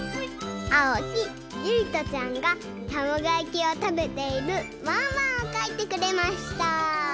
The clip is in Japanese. あおきゆいとちゃんがたまごやきをたべているワンワンをかいてくれました！